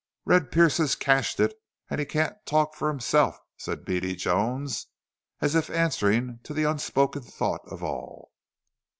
"Red Pearce has cashed, an' he can't talk for himself," said Beady Jones, as if answering to the unspoken thought of all.